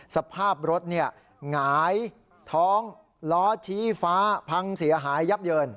สภาพรถหงายท้องล้อชี้ฟ้าพังเสียหายยับเยิน